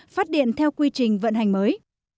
phát điện theo quy trình vận hành mới